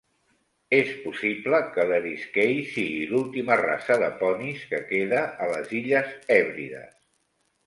És possible que l'Eriskay sigui l'última raça de ponis que queda a les illes Hèbrides.